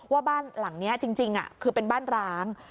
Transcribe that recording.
ว่าบ้านหลังนี้จริงคือเป็นบ้านร้าง